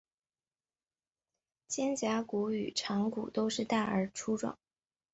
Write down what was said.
肩胛骨与肠骨都是大而粗壮。